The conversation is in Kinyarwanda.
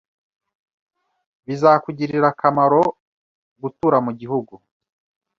Bizakugirira akamaro gutura mu gihugu.